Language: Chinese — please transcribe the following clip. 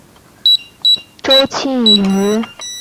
曾祖父周余庆。